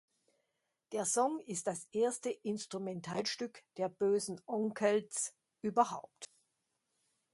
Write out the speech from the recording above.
Der Song ist das erste Instrumental-Stück der Böhsen Onkelz überhaupt.